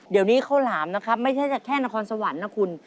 เดี๋ยวนี้ข้าวหลามนะครับไม่ใช่จะแค่นครสวรรค์นะคุณ